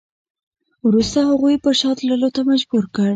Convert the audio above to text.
وروسته هغوی پر شا تللو ته مجبور کړ.